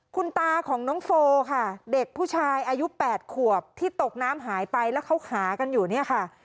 คุณตาของน้องโฟค่ะเด็กผู้ชายอายุ๘ขวบที่ตกน้ำหายไปแล้วเขาขากันอยู่เนี่ยค่ะ